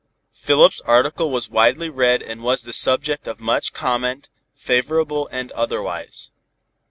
Philip's article was widely read and was the subject of much comment, favorable and otherwise.